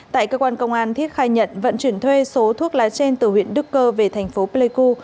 tại cơ quan công an thiết khai nhận vận chuyển thuê số thuốc lá trên từ huyện đức cơ về thành phố pleiku